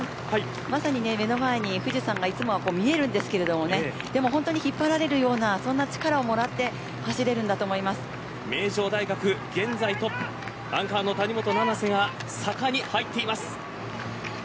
まさに目の前にいつもは富士山が見えるんですが本当に引っ張られるようなそんな力をもらって名城大学、現在トップアンカーの谷本七星が坂に入っています。